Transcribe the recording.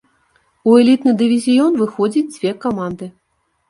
У элітны дывізіён выходзіць дзве каманды.